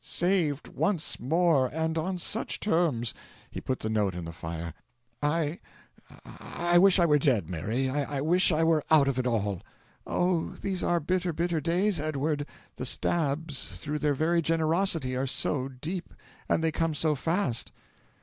"Saved, once more. And on such terms!" He put the note in the fire. "I I wish I were dead, Mary, I wish I were out of it all!" "Oh, these are bitter, bitter days, Edward. The stabs, through their very generosity, are so deep and they come so fast!"